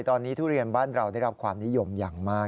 ตอนนี้ทุเรียนบ้านเราได้รับความนิยมอย่างมาก